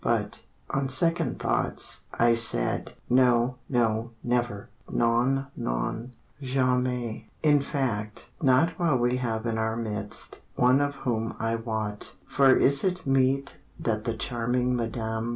But, on second thoughts, I said, "No, no never!" (Non, non, jamais, in fact.) "Not while we have in our midst One of whom I wot, For is it meet That the charming Mme.